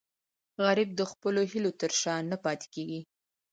غریب د خپلو هیلو تر شا نه پاتې کېږي